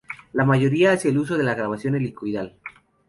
La mayoría hacía uso de la grabación helicoidal.